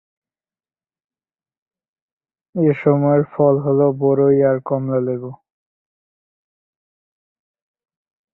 এসময়ের ফল হলো বরই আর কমলালেবু।